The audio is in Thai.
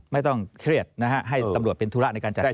ไม่ต้องเครียดนะฮะให้ตำรวจเป็นธุระในการจัดการ